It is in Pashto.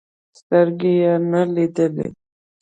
سترګې يې نه لیدلې.